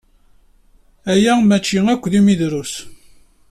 Aya mačči akk d imidrus.